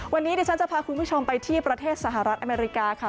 วันนี้ดิฉันจะพาคุณผู้ชมไปที่ประเทศสหรัฐอเมริกาค่ะ